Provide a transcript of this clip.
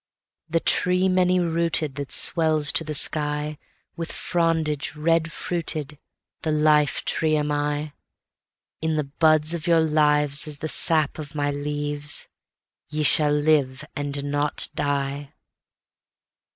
The tree many rootedThat swells to the skyWith frondage red fruited, The life tree am I;In the buds of your lives is the sap of my leaves: ye shall live and not die.